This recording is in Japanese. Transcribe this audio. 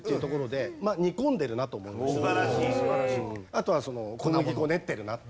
あとはその小麦粉練ってるなって。